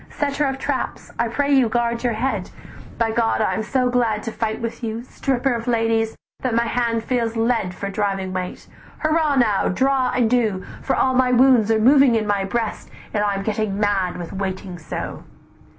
"'Setter of traps, I pray you guard your head, By God I am so glad to fight with you, Stripper of ladies, that my hand feels lead "'For driving weight; hurrah now! draw and do, For all my wounds are moving in my breast, And I am getting mad with waiting so.